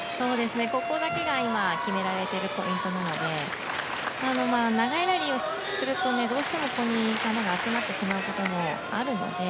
ここだけが今決められているポイントなので長いラリーをするとどうしても、ここに球が集まってしまうこともあるので。